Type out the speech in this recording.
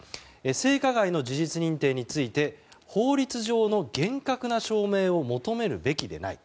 性加害の事実認定について法律上の厳格な証明を求めるべきでない。